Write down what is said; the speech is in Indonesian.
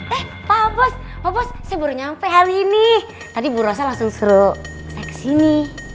eh pak bos pak bos saya baru nyampe hari ini tadi bu rossa langsung suruh saya kesini